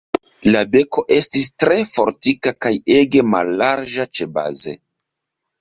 La beko estis tre fortika kaj ege mallarĝa ĉebaze.